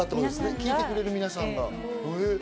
聞いてくれている皆さんが。